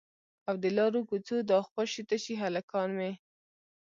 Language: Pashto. او د لارو کوڅو دا خوشي تشي هلکان مې